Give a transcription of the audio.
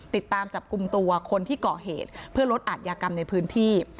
ติดตามจับกลุ่มตัวคนที่ก่อเหตุเพื่อลดอาทยากรรมในพื้นที่